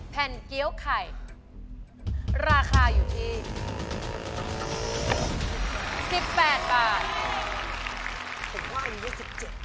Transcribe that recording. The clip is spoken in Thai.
เกี้ยวไข่ราคาอยู่ที่๑๘บาท